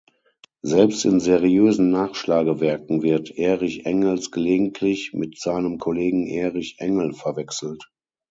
Selbst in seriösen Nachschlagewerken wird Erich Engels gelegentlich mit seinem Kollegen Erich Engel verwechselt.